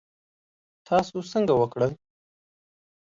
تاسو څنګه وکړل؟